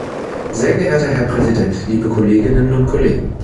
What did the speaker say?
Sehr geehrter Herr Präsident, liebe Kolleginnen und Kollegen!